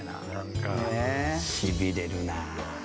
しびれるな。